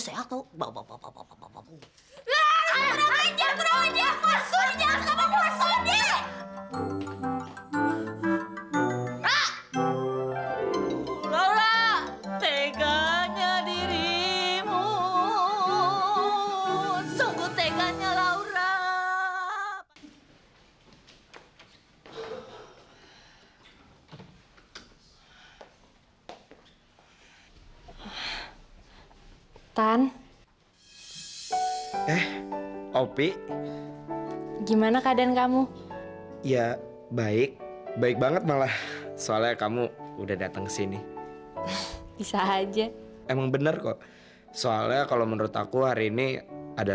sampai jumpa di video selanjutnya